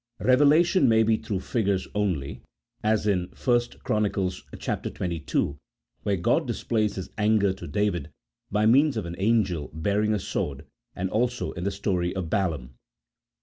Revelation may be through figures only, as in 1 Chron. xxii., where God displays his anger to David by means of an angel bearing a sword, and also in the story of Balaam.